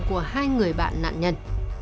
của hai người bạn nạn nhân